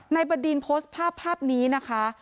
ในบรรดีนโพสต์ภาพนี้นะคะ